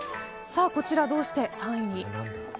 こちら、どうして３位に。